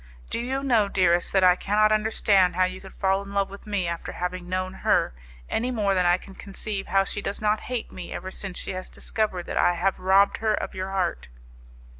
Do you know, dearest, that I cannot understand how you could fall in love with me after having known her, any more than I can conceive how she does not hate me ever since she has discovered that I have robbed her of your heart.